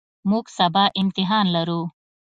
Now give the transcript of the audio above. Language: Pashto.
موږ سبا امتحان لرو.